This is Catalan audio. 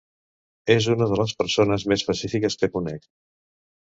És una de les persones més pacífiques que conec.